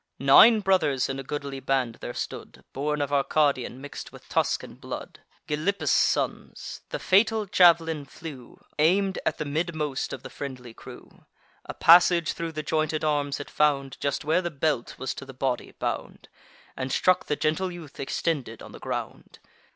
Nine brothers in a goodly band there stood, Born of Arcadian mix'd with Tuscan blood, Gylippus' sons: the fatal jav'lin flew, Aim'd at the midmost of the friendly crew. A passage thro' the jointed arms it found, Just where the belt was to the body bound, And struck the gentle youth extended on the ground.